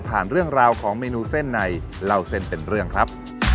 เรื่องราวของเมนูเส้นในเล่าเส้นเป็นเรื่องครับ